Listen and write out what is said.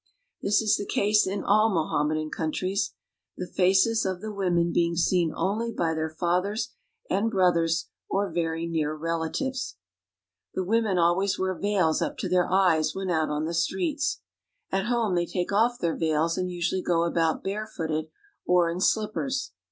This is the case in all Mohammedan countries, the faces IN ALGIERS 45 of the women being seen only by their fathers and brothers or very near relatives. The women always wear veils up to their eyes when out on the streets. At home they take off their veils, and usually go about bare footed or in slippers.